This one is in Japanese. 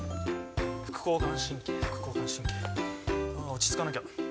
副交感神経副交感神経。ああ落ち着かなきゃ。